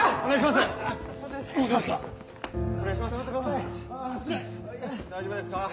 お願いします。